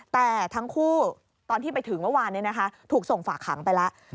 แต่ทั้งคู่ตอนที่ไปถึงเมื่อวานนี้นะคะถูกส่งฝากขังไปแล้ว